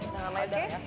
dengan ladder ya